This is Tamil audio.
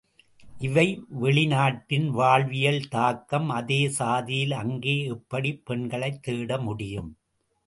இவை வெளி நாட்டின் வாழ்வியல் தாக்கம் அதே சாதியில் அங்கே எப்படிப் பெண்களைத் தேடமுடியும்?